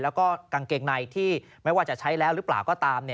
แล้วก็กางเกงในที่ไม่ว่าจะใช้แล้วหรือเปล่าก็ตาม